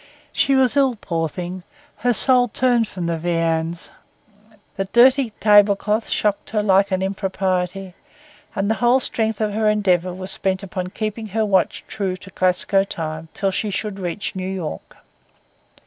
She was ill, poor thing; her soul turned from the viands; the dirty tablecloth shocked her like an impropriety; and the whole strength of her endeavour was bent upon keeping her watch true to Glasgow time till she should reach New York.